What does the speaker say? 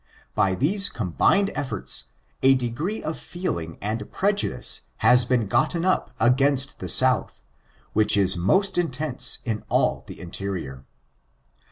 By these combined efibrts, a degree of feeling and prejudice has been gotten up against the South, which is most intense in all the interior.